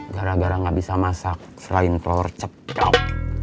gara gara gak bisa masak selain telur cekap